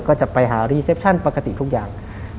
ก็จะไปหารีเซปชั่นปกติทุกอย่าง